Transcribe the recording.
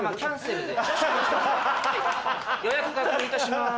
予約確認いたします。